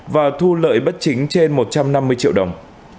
và thu lợi bất chính trên một trăm năm mươi triệu đồng